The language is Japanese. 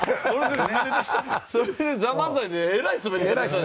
それで『ＴＨＥＭＡＮＺＡＩ』でえらいスベりよった。